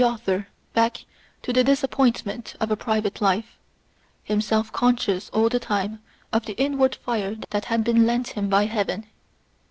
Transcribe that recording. XX111 back to the disappointment of a private life, him self conscious all the time of the inward fire that had been lent him by heaven.